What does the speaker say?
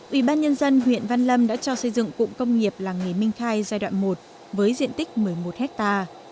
ủy ban nhân dân huyện văn lâm đã cho xây dựng cụm công nghiệp làng nghề minh khai giai đoạn một với diện tích một mươi một hectare